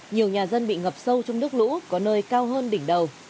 nhiều nhà dân bị ngập sâu trong nước lũ có nơi cao hơn đỉnh đầu